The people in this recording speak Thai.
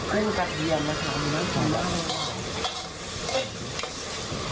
กุ้งกระเทียมนะค่ะมันต้องกินข้าว